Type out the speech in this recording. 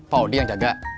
pak hodi yang jaga